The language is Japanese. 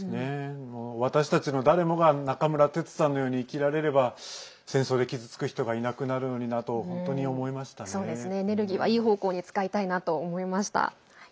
私たちの誰もが中村哲さんのように生きられれば戦争で傷つく人がいなくなるのになとエネルギーは、いい方向に使いたいなと思いました。